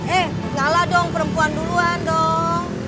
eh ngalah dong perempuan duluan dong